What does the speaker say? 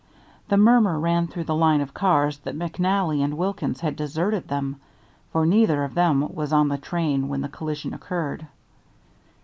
The murmur ran through the line of cars that McNally and Wilkins had deserted them. For neither of them was on the train when the collision occurred.